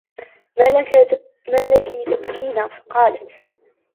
مَا لَك تَبْكِينَ ؟ فَقَالَتْ